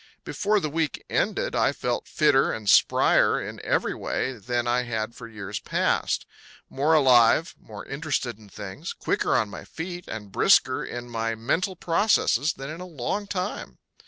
Before the week ended I felt fitter and sprier in every way than I had for years past; more alive, more interested in things, quicker on my feet and brisker in my mental processes than in a long time.